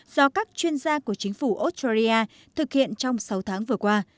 do các chuyên gia của chính phủ australia thực hiện trong sáu tháng vừa qua